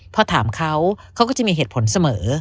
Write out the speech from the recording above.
พอถามเขาเขาก็จะมีเหตุผลเสมอ